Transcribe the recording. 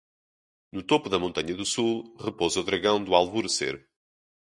No topo da montanha do sul, repousa o dragão do alvorecer.